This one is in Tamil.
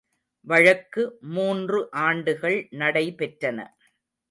வழக்கு மூன்று ஆண்டுகள் நடைபெற்றன.